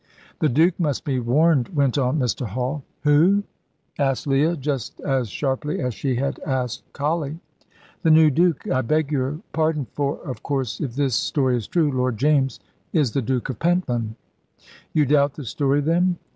"The Duke must be warned," went on Mr. Hall. "Who?" asked Leah, just as sharply as she had asked Colley. "The new Duke I beg your pardon, for, of course, if this story is true, Lord James is the Duke of Pentland." "You doubt the story, then?"